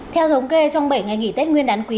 theo thống kê trong bảy ngày nghỉ tết nguyên đán quý